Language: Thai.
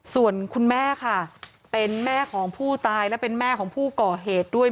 ส่วนคุณแม่ค่ะเป็นแม่ของผู้ตายและเป็นแม่ของผู้ก่อเหตุด้วย